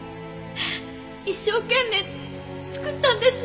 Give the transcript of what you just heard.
一生懸命作ったんです。